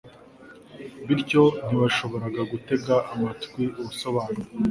bityo ntibashoboraga gutega amatwi ubusobanuro